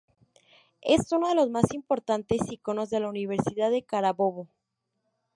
Es uno de los más importantes iconos de la Universidad de Carabobo.